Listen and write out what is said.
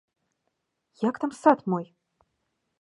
Як там сад мой?